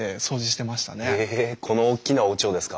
えこの大きなおうちをですか。